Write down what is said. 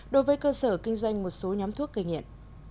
đối với cơ sở kinh doanh một số nhóm thuốc gây nghiện